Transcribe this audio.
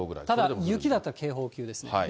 ただ、雪だったら警報級です。